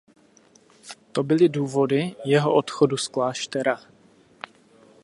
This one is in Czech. To byly důvody jeho odchodu z kláštera.